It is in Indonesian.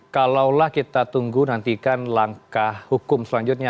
kalaulah kita tunggu nantikan langkah hukum selanjutnya